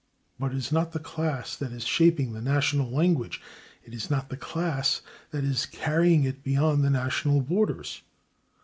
But it is not the class that is shaping the national language, and it is not the class that is carrying it beyond the national borders.